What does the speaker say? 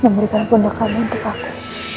memberikan pundak kamu untuk aku